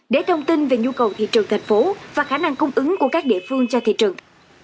để thông tin về nhu cầu thị trường thành phố và khả năng cung ứng của các địa phương cho thị trường